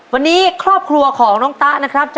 วันนี้ครอบครัวของน้องตะนะครับ